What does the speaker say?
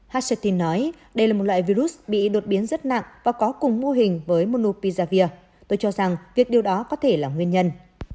hashetin nói đây là một loại virus bị đột biến rất nặng và có cùng mô hình với monopizavir tôi cho rằng việc điều đó có thể là nguyên nhân